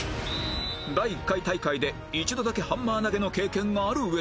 第１回大会で一度だけハンマー投げの経験がある上田